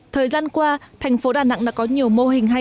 thời gian qua thành phố đà nẵng đã có nhiều mô hình hay